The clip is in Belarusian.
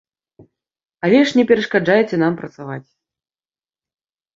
Але ж не перашкаджайце нам працаваць.